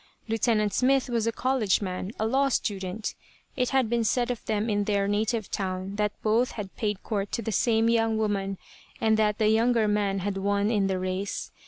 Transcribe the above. Lieutenant Smith was a college man, a law student. It had been said of them in their native town that both had paid court to the same young woman, and that the younger man had won in the race.